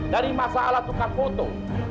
dari masalah tukang foto